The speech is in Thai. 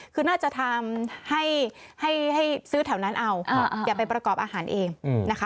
คือน่าจะทำให้ซื้อแถวนั้นเอาอย่าไปประกอบอาหารเองนะคะ